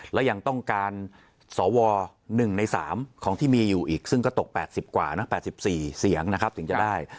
แล้วยังต้องการสว๑ใน๓ของที่มีอยู่อีกซึ่งก็ตก๘๐กว่านะ๘๔เสียงนะครับถึงจะได้